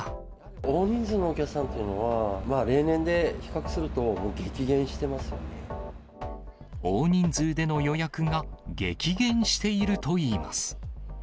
大人数のお客さんっていうのは、大人数での予約が激減しているといいます。